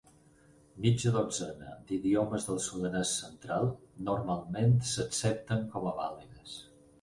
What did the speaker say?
Mitja dotzena d'idiomes del sudanès central normalment s'accepten com a vàlides.